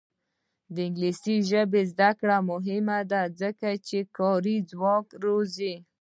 د انګلیسي ژبې زده کړه مهمه ده ځکه چې کاري ځواک روزي.